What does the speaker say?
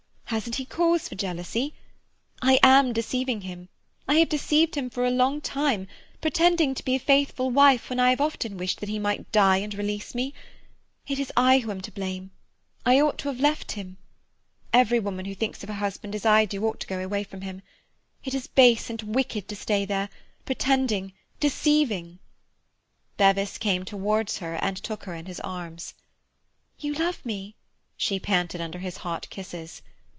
Hasn't he cause for jealousy? I am deceiving him—I have deceived him for a long time, pretending to be a faithful wife when I have often wished that he might die and release me. It is I who am to blame. I ought to have left him. Every woman who thinks of her husband as I do ought to go away from him. It is base and wicked to stay there—pretending—deceiving—" Bevis came towards her and took her in his arms. "You love me?" she panted under his hot kisses.